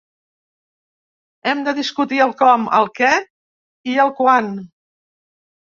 Hem de discutir el com, el què i el quan.